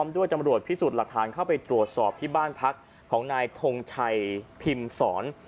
ด้วยตำรวจพิสูจน์หลักฐานเข้าไปตรวจสอบที่บ้านพักของนายทงชัยพิมพ์ศร